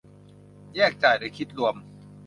แยกจ่ายหรือคิดรวม